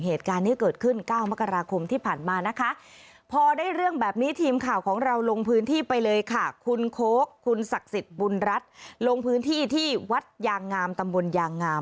เหตุการณ์ที่เกิดขึ้น๙มกราคมที่ผ่านมานะคะ